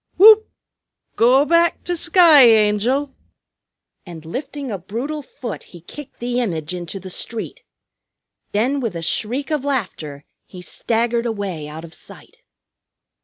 Whoop! Go back to sky, Angel!" and lifting a brutal foot he kicked the image into the street. Then with a shriek of laughter he staggered away out of sight.